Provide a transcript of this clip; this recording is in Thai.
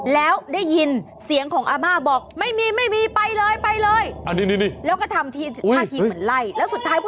แล้วได้ยินเสียงของอาม่าบอกไม่มีไปเลย